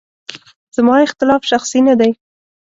زما اختلاف شخصي نه دی.